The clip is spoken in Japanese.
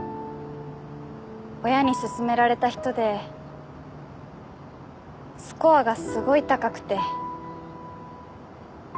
親にすすめられた人でスコアがすごい高くて。